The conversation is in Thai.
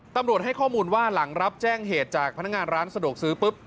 ตำรวจให้ข้อมูลว่าหลังรับแจ้งเหตุจากพนักงานร้านสะดวกซื้อปุ๊บ